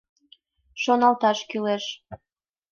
Шоналташ кӱлеш.